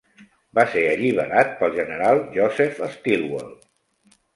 Va ser alliberat pel general Joseph Stilwell.